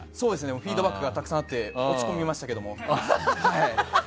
フィードバックがたくさんあって落ち込みましたけど。